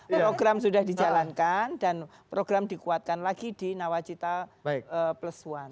program sudah dijalankan dan program dikuatkan lagi di nawacita plus satu